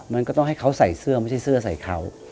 มันก็ต้องให้เขาใส่เสื้อไม่ใช่เสื้อใส่เขา